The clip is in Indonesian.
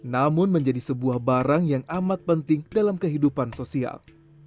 namun menjadi sebuah barang yang amat penting dalam kehidupan sosial